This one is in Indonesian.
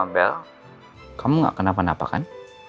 bel kamu gak kenapa napakan